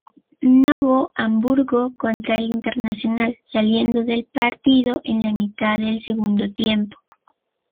Novo Hamburgo contra el Internacional, saliendo del partido en la mitad del segundo tiempo.